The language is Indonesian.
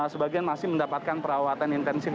sebagian masih mendapatkan perawatan intensif